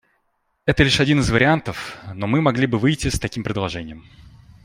Это лишь один из вариантов, но мы могли бы выйти с таким предложением.